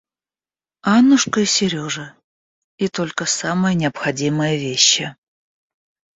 Аннушка и Сережа, и только самые необходимые вещи.